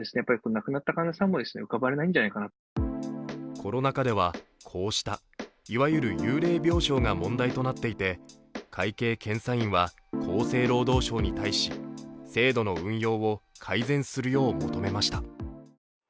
コロナ禍では、こうしたいわゆる幽霊病床が問題となっていて会計検査院は厚生労働省に対し制度の運用を改善するよう求めました。